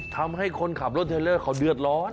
ทำให้คนขับรถเทลเลอร์เขาเดือดร้อน